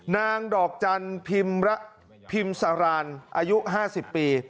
นางดอกจันทร์พิมพ์สารานอายุ๕๐ปี